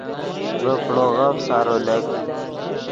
ڤے پڑوغف سارو لک